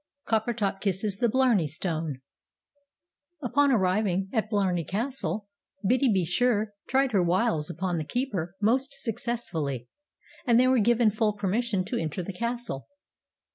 COPPERTOP KISSES THE BLARNEY STONE Upon arriving at Blarney Castle, Biddy be sure tried her wiles upon the Keeper most successfully, and they were given full permission to enter the Castle.